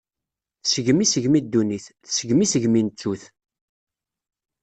Tesgem isegmi dunnit, tesgem isegmi n ttut.